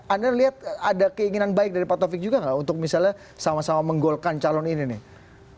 anda lihat ada keinginan baik dari pak taufik juga nggak untuk misalnya sama sama menggolkan calon ini nih